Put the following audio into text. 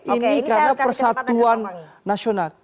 ini karena persatuan nasional